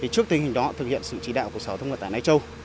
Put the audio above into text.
trước tình hình đó thực hiện sự chỉ đạo của sở thông vận tải lai châu